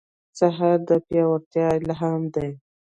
سهار د پیاوړتیا الهام دی.